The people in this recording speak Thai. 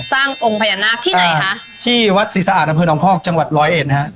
สร้างองค์ภัยนาคที่ไหนฮะที่วัดศรีสะอาทดนพจังหวัดร้อยเอ็นฮะ